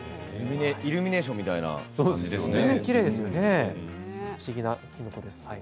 イルミネーションみたいな感じですね。